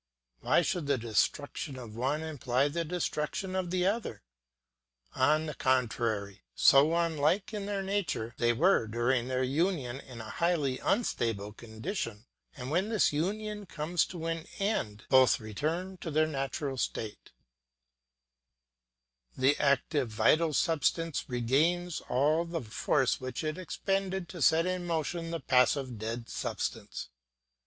Why should the destruction of the one imply the destruction of the other? On the contrary, so unlike in their nature, they were during their union in a highly unstable condition, and when this union comes to an end they both return to their natural state; the active vital substance regains all the force which it expended to set in motion the passive dead substance.